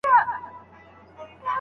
استاد به د شاګردانو مقالې سبا وګوري.